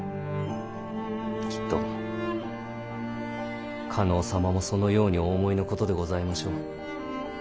きっと加納様もそのようにお思いのことでございましょう。